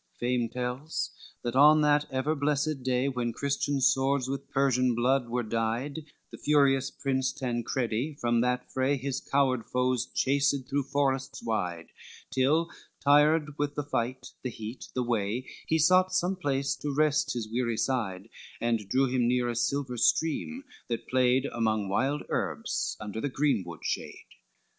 XLVI Fame tells, that on that ever blessed day, When Christian swords with Persian blood were dyed, The furious Prince Tancredi from that fray His coward foes chased through forests wide, Till tired with the fight, the heat, the way, He sought some place to rest his wearied side, And drew him near a silver stream that played Among wild herbs under the greenwood shade.